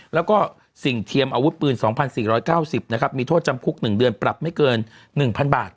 แล้วก็สิ่งเทียมอาวุธปืน๒๔๙๐นะครับมีโทษจำคุก๑เดือนปรับไม่เกิน๑๐๐๐บาท